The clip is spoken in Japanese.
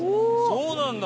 そうなんだ！